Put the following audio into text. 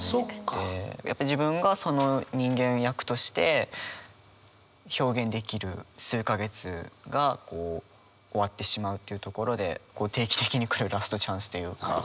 やっぱ自分がその人間役として表現できる数か月がこう終わってしまうというところで定期的に来るラストチャンスというか。